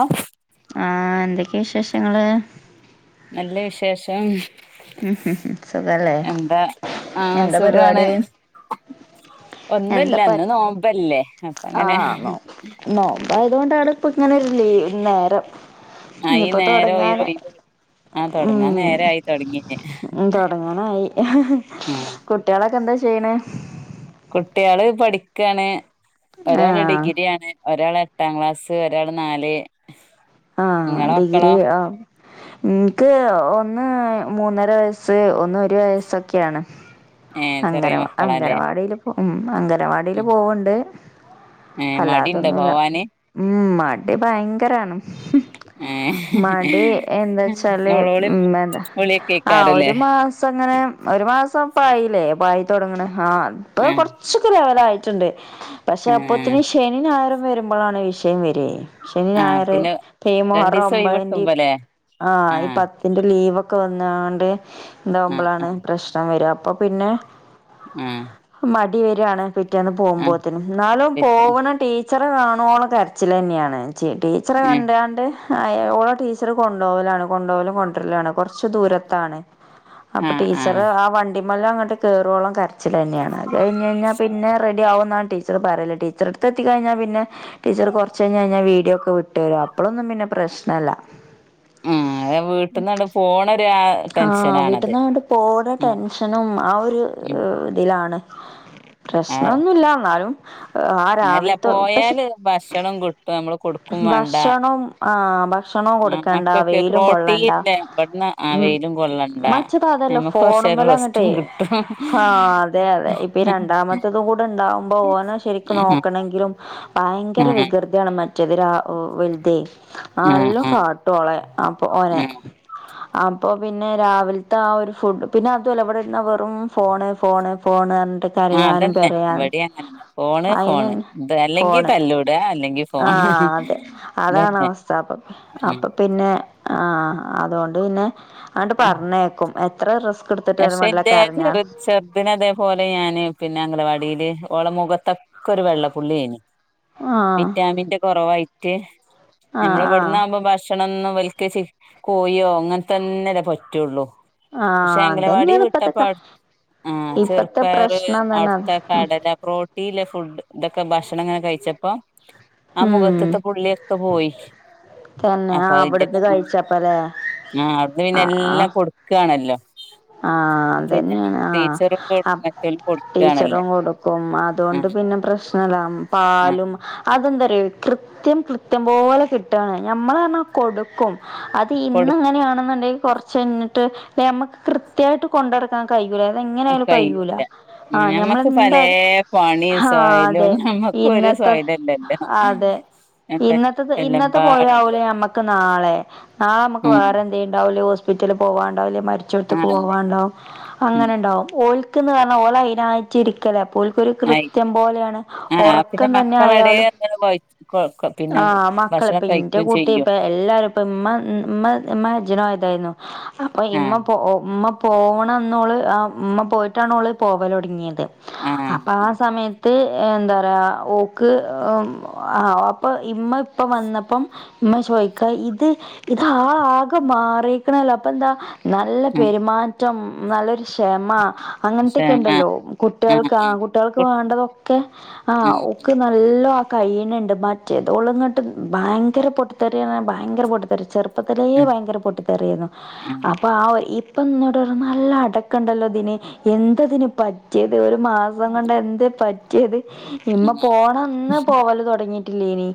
ആഹ ആ എന്തൊക്കെയ വിശേഷങ്ങള്? നല്ല വിശേഷം. ഉ ഹ സുഖല്ലേ എന്താ ആ എന്താ പരിപാടി? എന്താ ഒന്നുമല്ല ഇന്ന് പര് നോമ്പല്ലേ അപ്പ ഇങ്ങനെ. അതോണ്ടാണ് ഇപ്പ ഇങ്ങനെ ഒരു ലീവ നേരം. ആ ഈ ഇഞ്ഞിപ്പോ നേരം ഒരു തൊടങ്ങാനായി ഒഴിവ് ആ ഉം തുടങ്ങാൻ നേരായി തുടങ്ങീന് ഉ തൊടങ്ങാനായി ആ കുട്ടികളൊക്കെ എന്താ ചെയ്ണെ? കുട്ടികള് പഠിക്കാണ് ആഹ് ഒരാള്ഡിഗ്രി ആണ്. ഒരാൾ എട്ടാം ക്ലാസ് ഒരാൾ നാല്. ആഹ നിങ്ങളെ ഡിഗ്രി മക്കളോ ആ എനിക്ക് ഒന്ന് മൂന്നര വയസ്സ്. ഒന്ന് ഒരു വയസ്ഒക്കെ ആണ് ഏ അംഗന ചെറിയ മക്കളാല്ലേ അംഗനവാടിലെ ഉഅംഗനവാ അംഗൻവാടിയില് പോവണ്ട്. ഏ മടിണ്ടോ അല്ലാതൊന്നുല്ല പോവാന് ഉം മടി ഭയങ്കരാണ്. ഏ മടി എന്താച്ചാല് നോളോളി ഉ എന്താ വിളിയൊക്കെ ആ കേക്കാറില്ലേ ഒരു മാസംങ്ങനെ. ഒരു മാസംപ്പായില്ലേ പ ആയിത്തൊടങ്ങ്ണ ആ അപ്പ ആ കൊറച്ചൊക്കെ ലെവലാആയിട്ടുണ്ട്. പക്ഷെ ആ അപ്പ്പോത്തിന് ശനി ഞായരും വരുമ്പോഴാണ് വിഷയം വര ശനി ആ ഞായർ. പിന്നെ മുഹറം രണ്ടീസം ഒഴിവ് ഒമ്പതിന്റെ കിട്ടുമ്പോല്ലേ ആ ഈ പത്തിന്റെ ലീ ലീവൊക്കെ വന്നണ്ട് ആഹ് എന്താവുമ്പോളാണ് പ്രശ്നം വര അപ്പൊ പിന്നെ ഉം മടി വരായാണ് പിറ്റേന്ന് പോകുമ്പോത്തിന്നും എന്നാലും പിറ്റേ പോവണ ട ടീച്ചറെ കാണോളം കരച്ചിലെന്നാണ് ടീച്ചറെ ഉം കണ്ടാണ്ട് ഓളെ ടീച്ചർ കൊണ്ടോ വലാണ് കൊണ്ടോവലും കൊണ്ടുവരലാണ് കുറ കുറച്ച് ദൂരത്താണ് അപ്പ ആഹ് ആഹ് ടീച്ചറാ വണ്ടി മെ മമ്മല്ലാം അങ്ങോട്ട് കേറോളം കരച്ചിലെന്നാണ് അത് കഴിഞ്ഞാ പിന്നെ റെഡി ആാവുന്നാണ് ടീച്ചറ് പറയ്ണത് ടീച്ചറെടുത്ത് എത്തി കഴിഞ്ഞൽ പിന്നെ ടീച്ചർ കുറച്ച് കഴിഞ്ഞ വീഡിയോ ഇട്ട് തരും. അപ്പളൊന്നും പിന്നെ പ്രശ്നല്ല. ആ വീട്ട്ന്നന് പോണരാ ആഹ വീട്ടിൽന്നണ് പോണ ഉം ടെൻഷനും ആ ഒരു ഉം ഇതിലാണ് ആഹ് പ്രശ്നൊന്നുമല്ല ന്നാലും ആ അല്ല രാവിലത്തെ പക്ഷെ പോയാല് ഭക്ഷണം കിട്ടും നമ്മള് കൊടുക്കും വേണ്ട ഭക്ഷണം ആ ഭക്ഷണവും ആഹ് കൊടുക്കണ്ട മക്കക്ക് വെയിലും കൊള്ളണ്ട. പ്രോട്ടീനില്ല ഇവിടുന്ന് ആ ഉ വെയിലും കൊള്ളണ്ട മച്ചതാതല്ലോ ഞമ്മക്ക് ഫോണ് കൊറച്ചേരം മലങ്ങട്ടെ റെസ്റ്റും കിട്ടും ആ അതെ അതെ രണ്ടാമത്തതും കൂടെ ഇണ്ടാവുമ്പോ ഓനെ ശരിക്കും ആഹ് നോക്കണെങ്കിലും ഭയങ്കര ആഹ് വികൃതിയാണ് മറ്റേത് വലുതെയ് ആഹ് നലോണം ആഹ് കാട്ടു ഓളെ അപ്പൊ ഓനെ ആഹ് അപ്പൊ പിന്നെ രാവിലത്തെ ആ ഒരു ഫുഡ് പിന്നെ അത്ല ഇവിടെരുന്ന വെറും ഫോണ് ഫോണ് ഫോണ്. ആ കരയാനും അതന്നെ ഇ പെരയാനും വടി അങ്ങനന്നെ ഫോണ് അയിന് ഫോണ് ഇത് അല്ലെങ്കി തല്ലൂട അല്ലെങ്കി ഫോണ്. ആ അതെ അതാണ് ഇതന്നെ അവസ്ഥ അപ്പൊ അപ്പൊ ഉം പിന്നെ ആ അതുകൊണ്ട് പിന്നെ അണ് പറഞ്ഞേക്കും എത്ര റിസ് പക്ഷെ എന്റെ എടത്തിറയുചെറ ചെറുദന് അതേപോലെ ഞാന് പിന്നെ പിന്നെ അംഗലവാടിയില് ഓള മുഖത്തൊക്കെ ഒരു വെള്ള പുള്ളിയേ നി. ആഹ് വിറ്റാമിന്റെ കുറവായിട്ട് ആഹ് നമ്മൾ ആഹ് ഇവിടുന്ന ആകുമ്പോ ഭക്ഷണൊന്നും ലക്ക് കോയോ അങ്ങനെ തന്നെല്ലേ പറ്റുള്ളൂ. ക്ഷേ ആഹ് അംഗലവാടി അതന്നെയാണ് ഇപ്പത്തെ വിട്ടപ്പം ക അവി ആ ഇപ്പത്തെ ചെറുപയറ് പ്രശ്നം തന്നെ അവിടുത്തെ അതാ കടല പ്രോട്ടീല്ലെ ഫുഡ് ഇതൊക്കെ ഭക്ഷണം ഇങ്ങനെ കഴിച്ചപ്പോ ആ ഉം മുഖത്തത്തെ പുള്ളിയൊക്കെ പോയി. തന്നെ അപ്പൊ ആഹ് അതിന്റെ അവിടുന്ന് ഒക്കെ കഴിച്ചപ്പല്ലേ ആ അടുന്ന് പിന്നെ എല്ലാം കൊടുക്കുവാണല്ലോ? ആ അതന്നെയാണ് ടീച്ചറും ആഅ മറ്റോലും കൊടുക്കാണല്ലോ ടീച്ചറും കൊടുക്കും. ആ അതുകൊണ്ട് പിന്നെ പ്രശ്നമില്ല ആ പാലും അതെന്ത ഒരു കൃത്യം കൃത്യം പോലെ കിട്ടുകയാണ് ഞമ്മൾ പറഞ്ഞാൽ കൊടുക്കും. അത് കൊടു ഇന്ന് അങ്ങനെയാണെന്നുണ്ടെങ്കിൽ കൊറച്ച് കഴിഞ്ഞിട്ട് നമ്മക്ക് കൃത്യായിട്ട് കൊണ്ടു നടക്കാൻ കഴിയും. ഇവിടാണെ ഇങ്ങനാലും കഴിയൂല. കയ്യൂല ആ ഞമ്മൾ ഞമ്മക്ക് പലേ എന്തായാല പണി ആഹ സൊയലും അതെ ഞമ്മക്ക് ഒരു ഇന്നത്തെ സൊയലല്ലല്ലോ അതെ എന്ത ഇന്നത്തെ ഇന്നത്തെ പോല എല്ലമ്പാടല്ലേ ആവൂലേ ഞമ്മക്ക് നാള നാളെ നമുക്ക് ഉം വേറെ എന്തേ ലുംഉണ്ടാവൂലോ ഹോസ്പിറ്റലില് പോവാണ്ടാവില്ലേ മരിച്ച ആഹ് പോകണ്ടാവും. ഉം അങ്ങനെ ഉണ്ടാവും ഓലക്ക്ന്ന് പറഞാൽ ഓല അതിനായിട്ട് ഇരിക്കലേ? പ്പോക്കൊരു ആയി കൃത്യം പോലെയാണ് ആഹ് പിന്നെ ഉറക്കം തന്നെ മക്കളെടെ ആയാലും എന്ത കൊ പിന്നെ ആ ഭക്ഷണം മക്കളിപ്പ ഇന്റെ കഴിക്കും കൂട്ടി ചെയ്യും ഇപ്പ എല്ലാരും ഇപ്പ ഇ ഉമ്മ ഉ അജന ആയതായിരുന്നു അപ്പൊ ഇമ്മ ആഹ് പോ ഉമ്മ പോണം എന്ന് ഓള് ആ ഉമ്മ പോയിട്ടാാണ് ഓള് പോവല് തുടങ്ങിയത്. അപ്പ ആഹ് ആ സമയ എന്താ പറയാ ഓക്ക് ആ അപ്പൊ ഇമ്മ ഇപ്പ വന്നപ്പം ഉമ്മ ചോദിക്ക ഇത് ഇത് ആ ആകെ മാറിക്കണല്ലോ? അപ്പൊ എന്താ നല്ല ഉം പെരുമാറ്റം നല്ലൊരു ക്ഷമ അങ്ങനത്തൊക്കെ ക്ഷമ ഉണ്ടല്ലോ ആഹ് കുട്ടികൾക്ക് ആ ആഹ് കുട്ടികൾക്ക് വേണ്ടതൊക്കെ ആ ആഹ് ക്ക് നല്ല കയിനുണ്ട് മറ്റേത് ഓള അങ്ങോട്ട് ഭയങ്കര പൊട്ടിത്തെറി എന്നാ ഭയങ്കര പൊട്ടിത്തെറി ചെറുപ്പ പ്പത്തിലേ ഭയങ്കര പൊട്ടിത്തെറിയിരുന്നു. ആ ഇപ്പഎന്നോട് പറഞ്ഞു നല്ല അടക്കുണ്ടല്ലോ ഇതിന് എന്താ ഇതിന് പറ്റിയത് മാസം കൊണ്ട് എന്ത് പറ്റിയത്. ഇമ്മ ആഹ് പോണം അന്നാ പോവാല തുടങ്ങിട്ട് ല്ലേനി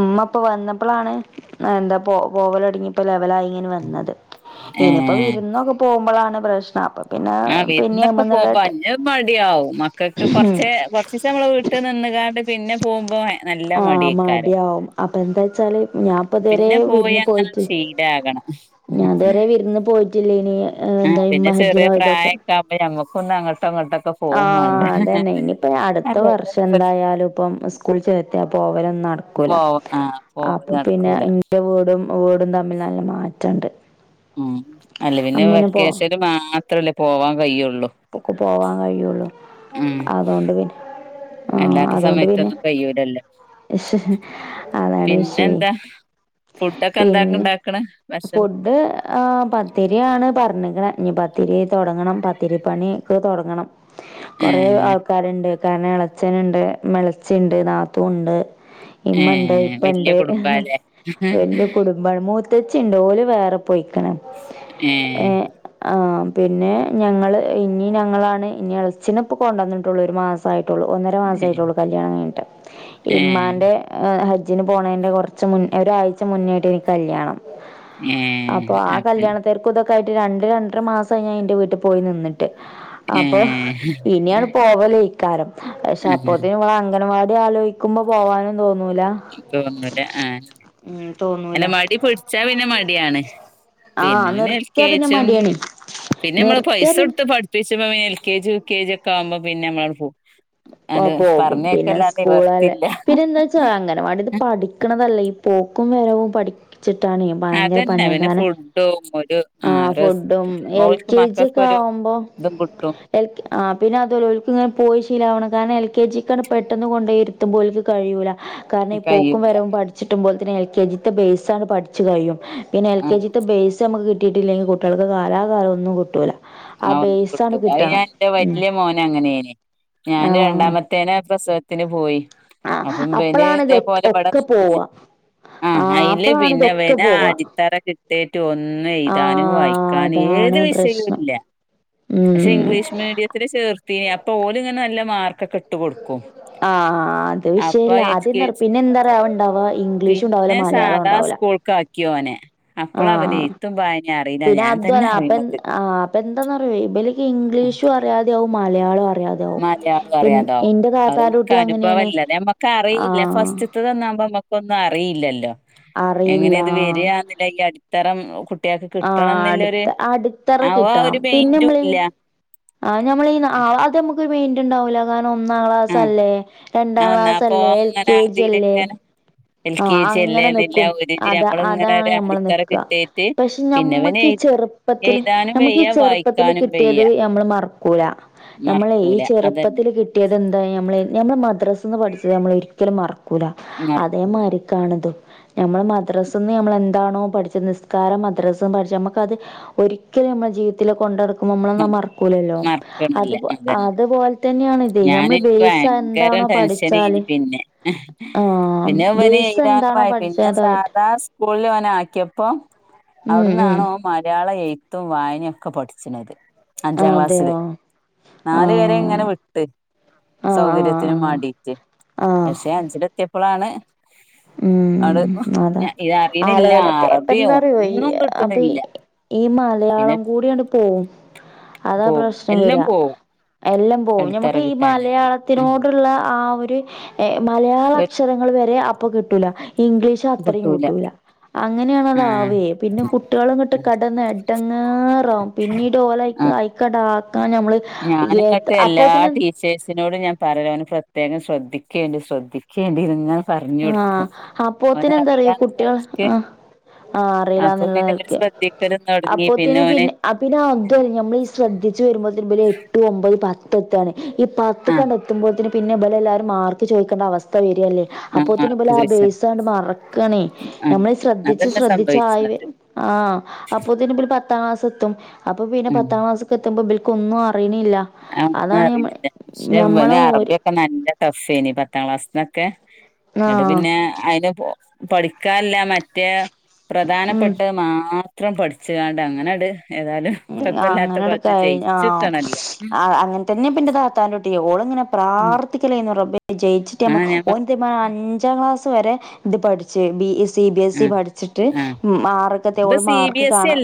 ഉമ്മഇപ്പവന്നപ്പളാണ് എന്താ പോവല് തുടങ്ങിയപ്പോ ലെവലായി. വന്നത് ഇനിയിപ്പോ ഏഹ് വിരുന്നൊക്കെ പോകുമ്പോഴാണ് പ്രശ്നം. അപ്പ ആ വിരുന്നൊക്കെ പോകുമ്പോ അതിന്റെ മടിയാവും മക്കൾക്ക് കൊറച്ചേ കൊറച്ചു ദിവസം നമ്മളുടെ വീട്ടിൽ നിന്ന് കാണ്ട് പിന്നെ പോകുമ്പോ നല്ല ആ മടിയേക്കാരം മടിയവും. അപ്പൊ എന്താ വച്ചാല് ഞാൻ ഇപ്പൊ ഇതുവരെ പിന്നെ പോയി വിരുന്ന് അങ്ങനെ പോയിട്ട് ശീലാകണം ഞാൻ ഇതു വരെ വിരുന്ന് പോയിട്ടില്ലേനി എന്താമിഹ്ജ് പ്രായ ഒക്കെ ആകുമ്പോ നമ്മുക്ക് ഒന്ന് അങ്ങ അങ്ങോട്ടുംഇങ്ങോട്ടൊക്കെ പോകു വേണ്ടേ? ആഹ് അതന്നെ ഇനിയിപ്പ അടുത്ത വർഷം എന്തായാലും ഇപ്പം സ്കൂൾ ചേർത്തിയാ പോവലൊന്നും നടക്കൂല പോ ആഹ് പോവല് അപ്പൊ പിന്നെ നടക്കൂല എന്റെ വീടും ഓരു തമ്മിൽ നല്ല മാറ്റണ്ട് ഉം. അല്ല പിന്നെ അമ്മേന് പോ വെക്കേഷന് മാത്രമല്ലേ പോവാൻ കഴിയുള്ളൂ. ഓക്ക് പോവാൻ കഴിയുള്ളു ഉം അതൊണ്ട് പിന്നെ ആ അല്ലാത്ത അതുകൊണ്ട് പിന്നെ സമയത്തൊന്നും കയ്യൂലല്ലോ അതാണ് വിഷയം. പിന്നെന്താ ഫുഡൊക്കെ എന്താ പിന്നെ ഇണ്ടാക്കണ് ഭക്ഷണം ഫുഡ് ആ പത്തിരിയാണ് പറഞ്ഞേക്കണേ. ഇനിപത്തിരി തുടങ്ങണം പത്തിരിപ്പണിക്ക് തുടങ്ങണം കൊറെേ ഏഹ് ആൾക്കാരുണ്ട്. കാരണം ഇളച്ചനുണ്ട് മെളച്ചുണ്ട് നാത്തും ഉണ്ട് ഇമ്മുണ്ട് ഏഹ് വല്യ ഇപ്പുണ്ട് കുടുംബാല്ലേ? വല് കുടുംബമാണ്. മൂ ത്തച്ചി ഉണ്ട് ഓല് വേറെ പൊയ്കണ്. ഏ ഏഹ് ആ പിന്നെ ഞങ്ങള് ഇനി ഞങ്ങളാണ് ഇനി ഇളച്ചനെ ഇപ്പം കൊണ്ടുവന്നിട്ടുള്ളേ ഒരു മാസമായിട്ട് ഒന്നര മാസമേ ഏഹ് ആയിട്ടുള്ളു കല്യാണം കഴഞ്ഞിട്ട് ഏഹ് ഇമ്മാന്റെ ഹജ്ജ് ഹജ്ജിന്പോണതിൻ്റെ കുറച്ച് മുന്നേ ഒരാഴ്ച മുന്നേയായിട്ട് എനിക്ക് കല്യാണം. അപ്പൊ ഏഹ് ആ അപ്പം കല്യാണത്തിരക്കും ഇതൊക്കെ ആയിട്ട് രണ്ട് രണ്ടര മാസംമായി ഞാൻ എന്റെ വീട്ടിൽ പോയി നിന്നി അപ്പൊ ഏഹ് ഇനിയാണ് പോവല് ഇക്കാരം. പക്ഷെ ആഹ് അപ്പോത്തേക്കിന് ഇവിടെ അംഗൻവാടി ആലോചിക്കുമ്പം പോകാനും തോന്നി തോന്നൂല, ആഹ് ഉം, തോന്നൂല അല്ല മടി പിടിച്ചാ പിന്നെ മടിയാണ്. ആ പിന്നെ പിന്നെ നിർത്തിയാ പിന്നെ എൽക്കെജും, മടിയാണ് പിന്നെ നമ്മള് നിർത്തിയാ പൈസ പിന്നെ കൊടുത്ത് പഠിപ്പിച്ച്ണോൻ L K G, U K G ഒക്കെ ആവുമ്പോ പിന്നെ നമ്മളങ്ങട്ട് പോവും ഓൻ പോകും. പിന്നെ സ്കൂളല്ലേ പിന്നെ എന്താച്ചാ അംഗലവാടിന്ന് പഠിക്ക്‌ണതല്ല ഈ പോക്കും വരവും പഠിച്ചിട്ടാനെ ഭയങ്കര അതന്നെ പണിയാണ്. പിന്നെ കാരണം ഫുഡും ഒരു ആഹ് റെസ് ഫുഡും എൽ ഓൽക്ക് കെ ജി ഒക്കെ മക്കൾക്കൊരു ആവുമ്പോ ഇതും കിട്ടും എൽ ആഹ് പിന്നെ അതുല്ല ഓൽക്കിങ്ങനെ പോയി ശീലവണം, കാരണം എൽ കെ ജിക്കങ്ങനെ പെട്ടൊന്ന് കൊണ്ടോയ് ഇര് എത്തുമ്പോൽക്ക്‌ കഴിയൂല കാരണം ഈ പോക്കും കഴിയൂല വരവും പഠിച്ചിട്ടുമ്പോൾ പിന്നെ എൽ കെ ജിത്തെ ബെയ്സാണ് പഠിച്ച് കഴിയും, പിന്നെ എൽ കെ ആഹ് ജിത്തെ ആഹ് ബേസ് നമുക്കി കിട്ടിട്ടില്ലെങ്കിൽ കുട്ടിയേൾക്ക് കാലകാലം ഒന്നും കിട്ടൂല്ല. ആഹ് ഒന്നും കിട്ടും. അയ് ഞാൻ എന്റെ ഉം വല്യ മോനങ്ങനേനി ഞാന് ആ രണ്ടാമത്തേനെ പ്രസവത്തിന് പോയി. ആ അപ്പം ഇബന് അപ്പളാണ് ഇത് ഇതേ പോലെ ഇവിടെ ഒക്കെ നിന്ന് പോവാ ആ ആഹ് അയില് അപ്പളാണ് പിന്നെ ഇതൊക്കെ ഇവനെ ആ പോവാ അടിത്തറ കിട്ടെത്ത് ഒന്നും ആ എഴുതാനും വായിക്കാനും ഏ ഏത് അതാണ് വിഷയിലും പ്രശ്നം ല്ല, പക്ഷെ ഉം ഇംഗ്ലീഷ് മീഡിയത്തില് ചേർത്തിയെ അപ്പൊ ഓല് ഇങ്ങനെ നല്ല മാർക്കൊക്കെ ഇട്ട് കൊടുക്കും. ആഹ്, അത് അപ്പൊ വിഷയല്ല. എൽ അത് കെ ജി പിന്നെ എന്താറവണ്ടാവാ ഇംഗ്ലീഷ് ഇണ്ടാവൂല മലയാളുണ്ടാവൂല ക്യോനെ, അപ്പളാവന് ഏഴ്ത്തും വായനിം അറീല്ല ഞാൻ തന്നെ അറിയ്ണത്. ഇപ്പന്താന്നറിയോ ഇബല്ക്ക് ഇംഗ്ലീഷും അറിയാതെയാവും മലയാളം അറിയാതാവും, മലയാളം പി അറിയാതാവും ഇന്റെ അത് താത്താന്റെ ഇൻക്ക് കുട്ടി അങ്ങനെണ്. ആഹ് ഫസ്റ്റ്ത്തന്നാവുമ്പോ നമ്മക്കൊന്നും അറിയില്ലല്ലോ, എങ്ങനെ അറിയില്ല ഇത് വരാന്നില്ലെ ഈ അടിത്തറ കുട്ടികൾക്ക് കിട്ടണം ആഹ് എന്നുള്ളൊരു അട്ത്ത അട്ത്തറ ആ ആ കിട്ടണം. ഒരു മൈൻഡും പിന്നമ്മൾ ഈ ഇല്ല ആഹ് ഞമ്മളീ ആഹ് അതമ്മക്കൊരു മെയിന്റ്ണ്ടാവൂല, കാരണം ഒന്നാം ക്ലാസ്സല്ലേ ആ രണ്ടാം എന്നാപ്പൊ ക്ലാസല്ലേ, എൽ അങ്ങനെ കെ ജി അല്ലേ അതിലിങ്ങനെ എൽ കെ ആഹ്, ജി അങ്ങനെ അല്ലേന്നില്ല നിക്കും ഒരിത് അതാ നമ്മളിങ്ങനെ അതാണ് ഒരു ഞമ്മള് അടിത്തറ നിക്ക. കിട്ടിയിട്ട് പക്ഷെ പിന്നെ ഇവന് ഞമ്മക്ക് ഈച എഴു ചെറുപ്പത്തില്, എഴുതാനും നമുക്ക് വയ്യ ഈ ചെറുപ്പത്തില് വായിക്കാനും വയ്യ കിട്ടിയത് നമ്മള് മറക്കൂല. നമ്മളെ ഈ മറക്കൂല ചെറു അതന്നെ ചെറുപ്പത്തില് കിട്ടിയത് എന്തായി നമ്മളെ നമ്മള് മദ്രാസിന്ന് പഠിച്ചത് നമ്മളൊരിക്കലും മറക്കൂല, മറക്കൂല അതേമാരിക്കാണ് ട്ട്നത്. നമ്മളെ മദ്രാസ്ന്ന് നമ്മളെന്താണോ പഠിച്ചത് നിസ്കാര മദ്രസ്സും പഠിച്ച നമ്മക്കത് ഒരി ഒരിക്കലും നമ്മളെ ജീവിതത്തില് കൊണ്ടടക്കുമ്പോ നമ്മളതൊന്നും മ- മറക്കൂലല്ലോ? അത് മറക്കണില്ല അതന്നെ അതുപോലെ തന്നെയാണ് ഇ അതെ ഞാൻ നമ്മള് എനിക്ക് ഭയങ്കര ബേസന്താണോ ടെൻഷനേനി പഠിച്ചാല് പിന്നെ ആഹ് ബേസ് ഇതാണ് എന്താണോ പറയ്ണത് പഠിച്ചത് ഞാൻ അതാ കിട്ട സാധാ സ്കൂളില് ഓനെ ആക്കിയപ്പോ ഉം ഉം അവിടന്നാണ് ഓൻ മല മലയാള എഴുത്തും വായനൊക്കെ പഠിച്ച്ണത്. അഞ്ചാം ക്ലാസ്സില്. അതെയോ നാല് വരെ ഇങ്ങനെ ആഹ് വി ട്ട്, ആഹ് ആഹ് സൗകര്യത്തിനും ആഹ് മാണ്ടിയിട്ട് ആഹ് പക്ഷെ അഞ്ചിലെത്തിയപ്പളാണ് [inaudible] ഉമ്മ് അതാ, ആലവലാ അറബി തേപ്പെന്താറിയോ ഈ ഒന്നും അപ്പ ഈ കിട്ടണില്ല ഈ പിന്നെ മലയാളം കൂടിയാണ്ട് പോവും. അതാ പോകും പ്രശ്നം എല്ലാം വരാ, പോകും എല്ലം പോ, അടിത്തറ നമമുക്ക് ഈ കിട്ടാഞ്ഞാല് ആ മലയാളത്തിനോടുള്ള ആ ഒര് ഏഹ് മലയാളക്ഷരങ്ങള് വരെ ആ അപ്പൊ കിട്ടൂല, ഈ ഇംഗ്ലീഷ് അത്രയും കിട്ടൂല. ആ അങ്ങനെയാണതാവെ, പിന്നെ കുട്ടിയേളങ്ങട്ട് കടന്നടി എടങ്ങേറാകും, പിന്നീട് ഓലെ ആ അയ്ക്ക് അയിക്കാണ്ടാ ഞാനിങ്ങട്ട് എല്ലാ ടീച്ചേഴ്സിനോടും ഞാൻ പറയലാ ഓനെ പ്രത്യേകം ശ്രദ്ധി കേണ്ടി ശ്രെദ്ധിക്കേണ്ടിരുന്നു ആഹ്, അപ്പോത്തിനെന്താറിയോ ഈ അറിയില്ലാന്നുള്ള കുട്ടിയാള് നിലക്ക് ആഹ് ആഹ് അപ്പൊ പിന്നെ ഓന് അറീല്ലാന്ന്ള്ളനെലക്ക്, ശ്രദ്ധിക്കലും തൊടങ്ങി അപ്പോത്തിന് ഓന് പിന്നെ, പിന്നെ അതും ഞമ്മള് ഈ ശ്രദ്ധ ജ്ജ് വരുമ്പോത്തിന് ഇബല് എട്ട്, ഒമ്പത്, പത്തൊക്കാണ്. ഈ പത്ത് ആ കാണ്ട് എത്തുമ്പോത്തിന് പിന്നെ ഇബലെല്ലാരും മാർക്ക് ചോയിക്കേണ്ട അവസ്ഥ വരല് ആ അപ്പോത്തിനി മാർക്ക് ഇപലാ ചോയിച്ചാണ്ട് ബേയ്സാണ്ട് മറക്കണേ, ആ നമ്മള് ശ്രദ്ധിച്ച് അതന്നെ ശ്രദ്ധിച്ച് ആയി സംഭവിച്ച്ണത് ആഹ് അ അപ്പൊത്തിന് പത്താം ക്ലാസ് എത്തും. അപ്പൊ പിന്നെ ഉം പത്താം ക്‌ളാസ്ക് എത്തുമ്പോ ഒന്നും അ ഒന്നും അറീന്നില്ല പക്ഷെ ഞമ്മളെ ഓര് അറബിയൊക്കെ നല്ല ടഫ്ഫെനി പത്താം ക്ലാസ്സ്ന്നൊക്കെ ഇങ്ങട്ട് ആഹ് പിന്നെ അയിന് പൊ പഠിക്കാല്ല മറ്റേ ഉം പ്രധാനപ്പെട്ടത് മാത്രം പഠിച്ചുങ്ങാണ്ട് അങ്ങനെട് ഏതായാലും ഉം കുഴപ്പല്ലാത്ത കോലത്തില് ജയിച്ച്ട്ടണല്ലോ ആ അങ്ങനെ തന്നെ പെന്റെ താത്താന്റെ കുട്ടി ഓളിങ്ങനെ ഉം പ്രാർത്ഥിക്കലന്ന് റബ്ബേ ജയിച്ചിട്ടമ്മ ആഹ് ഞമ്മ ഓന്തിമ്മേ അഞ്ചാം ക്ലാസ് വരെ ഇത് പഠിച്ചു B C C B S E ആഹ് പഠിച്ചിട്ട് ആഹ് മാർക്ക്‌ ഇത് ഓള് സി ബി മാർക്ക് എസ് കാണാം.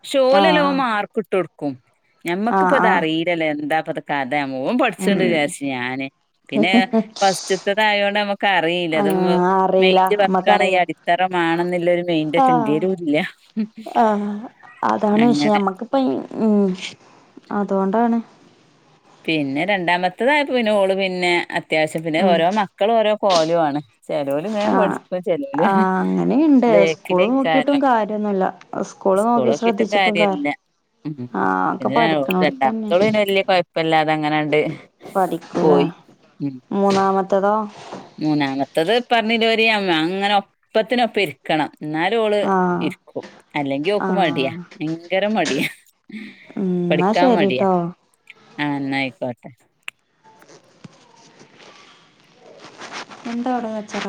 പക്ഷേ ഓലല്ലോം മാർക്കിട്ടൊടുക്കും ആഹ് ഞമ്മക്കിപ്പോത് ആഹ് അറീലല്ല എന്താപ്പത് കാ അതെ മോൻ പഠിച്ചിണണ്ട് ഉം വിചാരിച്ച് ഞാന് പിന്നെ ഫസ്റ്റ്തത്തതായോണ്ട് നമ്മക്ക് അറീല്ല തും ആഹ് അറിയില്ല മെയിൻന്റെ വർക്കാണ് ഈ നമ്മക്കറിയില്ല അടിത്തറമാണെന്നുള്ള ഒരു മെയിൻറെ ആഹ് ന്റെലുല്ല ആഹ് അതാണ് വിഷയം നമ്മക്കിപ്പ ഉം അതോണ്ടാണ് പിന്നെ രണ്ടാമത്തതായപ്പോ ഓള് പിന്നെ അത്യാവശ്യം പിന്നെ ഉം ഓരോ മക്കള് ഓരോ കോലുവാണ് ചെലോര് ഇങ്ങനെ ആഹ് പഠിച്ച ചെലോര് ആഹ് അങ്ങനെയുണ്ട് സ്കൂള് നോക്കിയിട്ടും ബാക്കിലാക്കാരം കാര്യൊന്നുല്ല സ്കൂള് നോക്കി സ്കൂളൊക്കെിട്ടും ശ്രദ്ധിച്ചിട്ടും കാര് കാര്യല്ല ആഹ് ഒക്കെ പിന്നെ പഠിക്കണോടത്തന്നെ രണ്ടാമത്തോള് പിന്നെ വല്യ കുഴപ്പ ഇപ്പല്ലാതെ അങ്ങനാണ്ട് പഠിക്കൂലേ പോയി ഉം മൂന്നാമത്തതോ മൂന്നാമത്തത് ഇപ്പറഞ്ഞീലോരി ഞാൻ ഇങ്ങനെ ഒപ്പത്തിനൊപ്പം ഇരിക്കണം ഇന്നാല് ഓള് ആഹ് ഇരിക്കും അല്ലെങ്കിൽ ഓക്ക് മടിയാ ആഹ് ഭയങ്കര മടിയാ ഉം ന്നാ പഠിക്കാൻ മടിയാ ശരിട്ടോ ആഹ് ന്ന ആയിക്കോട്ടെ എന്താ അവടെ കച്ചറ